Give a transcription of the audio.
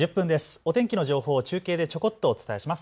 お天気の情報を中継でちょこっとお伝えします。